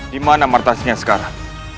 dimana martasila sekarang